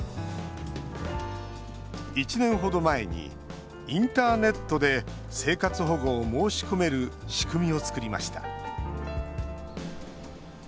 １年ほど前にインターネットで生活保護を申し込める仕組みを作りました。